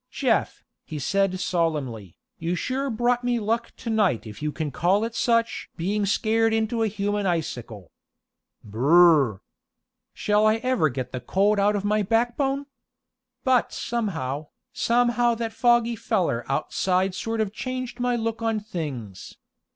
"Jeff," he said solemnly, "you sure brought me luck to night if you can call it such being scared into a human icicle. Br r r! Shall I ever get the cold out of my backbone? But somehow, somehow that foggy feller outside sort of changed my look on things.